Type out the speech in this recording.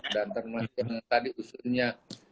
dan termasuk yang tadi usulnya